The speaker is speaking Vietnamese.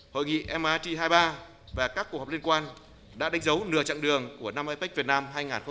hội nghị mit hai mươi ba và các cuộc họp liên quan đã đánh dấu nửa chặng đường của năm apec việt nam hai nghìn một mươi bảy